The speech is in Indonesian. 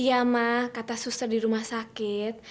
iya mah kata suster di rumah sakit